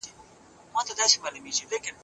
ایا لښته به په نوې مېنه کې قدم کېږدي؟